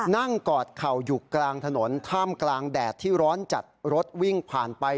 กอดเข่าอยู่กลางถนนท่ามกลางแดดที่ร้อนจัดรถวิ่งผ่านไป